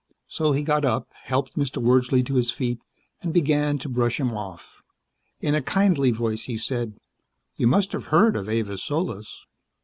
So he got up, helped Mr. Wordsley to his feet, and began to brush him off. In a kindly voice he said, "You must have heard of Avis Solis."